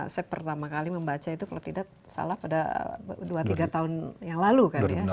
saya pertama kali membaca itu kalau tidak salah pada dua tiga tahun yang lalu kan ya